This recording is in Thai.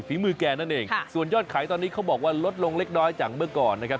มือแกนั่นเองส่วนยอดขายตอนนี้เขาบอกว่าลดลงเล็กน้อยจากเมื่อก่อนนะครับ